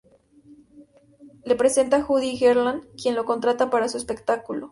Le presentan a Judy Garland, quien lo contrata para su espectáculo.